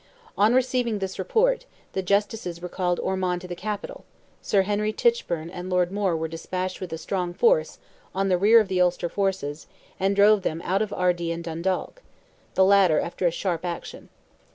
On receiving this report, the Justices recalled Ormond to the capital; Sir Henry Tichburne and Lord Moore were despatched with a strong force, on the rear of the Ulster forces, and drove them out of Ardee and Dundalk—the latter after a sharp action.